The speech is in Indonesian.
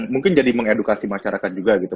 mungkin jadi mengedukasi masyarakat juga gitu